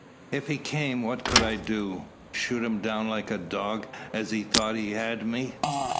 "If he came what could I do? Shoot him down like a dog, as he thought he had me?